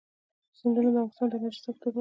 سیندونه د افغانستان د انرژۍ سکتور برخه ده.